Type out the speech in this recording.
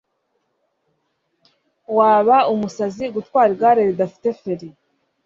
Waba umusazi gutwara igare ridafite feri.